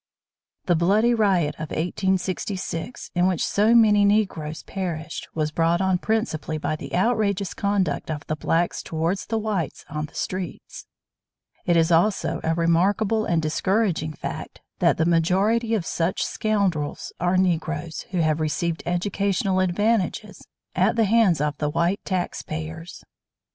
_ The bloody riot of 1866, in which so many Negroes perished, was brought on principally by the outrageous conduct of the blacks toward the whites on the streets. It is also a remarkable and discouraging fact that the majority of such scoundrels are Negroes who have received educational advantages at the hands of the white taxpayers.